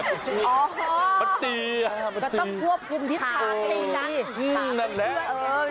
อ๋อมันต้องควบคุมทิศทางที่นั้น